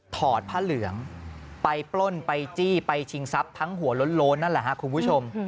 ถอดผ้าเหลืองไปปล้นไปจี้ไปชิงทรัพย์ทั้งหัวโล้นนั่นแหละครับคุณผู้ชม